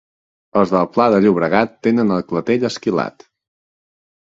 Els del pla de Llobregat tenen el clatell esquilat.